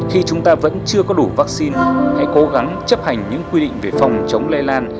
khi chúng ta vẫn chưa có đủ vaccine hãy cố gắng chấp hành những quy định về phòng chống lây lan